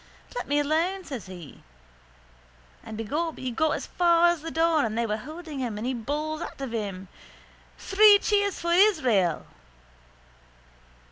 —Let me alone, says he. And begob he got as far as the door and they holding him and he bawls out of him: —Three cheers for Israel!